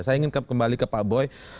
saya ingin kembali ke pak boy